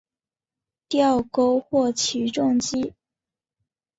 吊钩或起重机。